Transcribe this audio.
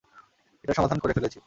এটার সমাধান করে ফেলেছি।